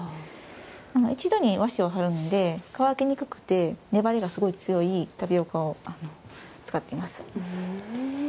一度に和紙を張るので乾きにくくて粘りが強いタピオカを使っています。